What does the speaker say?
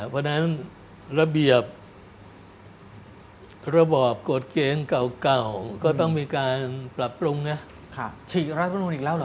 เพราะนั้นระเบียบระบอบกฎเกณฑ์เก่าก็ต้องมีการปรับปรุงมา